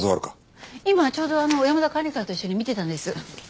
今ちょうど小山田管理官と一緒に見てたんです。